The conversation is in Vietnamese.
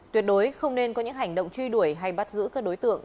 tuyệt đối không nên có những hành động truy đuổi hay bắt giữ các đối tượng